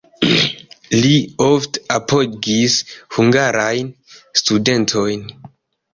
Li ofte apogis hungarajn studentojn.